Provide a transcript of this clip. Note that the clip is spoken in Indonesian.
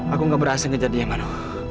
aku nggak berhasil ngejar dia mano